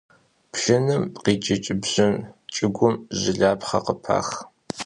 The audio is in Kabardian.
Бжьыным къикӏыкӏ бжьын кӏыгум жылапхъэ къыпах.